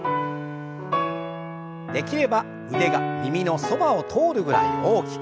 できれば腕が耳のそばを通るぐらい大きく。